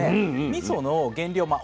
みその原料ま